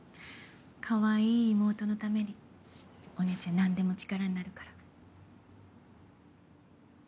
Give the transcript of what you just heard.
かわいい妹のためにお姉ちゃんなんでも力になるから。